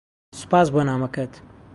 سوپاس بۆ نامەکەت.